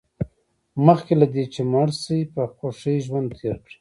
مخکې له دې چې مړ شئ په خوښۍ ژوند تېر کړئ.